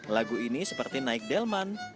lagu ini seperti night delman